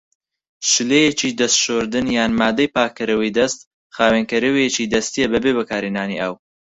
شلەیەکی دەست شۆردن یان مادەی پاکەرەوەی دەست خاوێنکەرەوەیەکی دەستیە بەبێ بەکارهێنانی ئاو.